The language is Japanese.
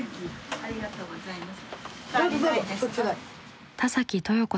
ありがとうございます。